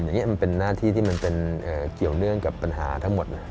อย่างนี้มันเป็นหน้าที่ที่มันเป็นเกี่ยวเนื่องกับปัญหาทั้งหมดนะครับ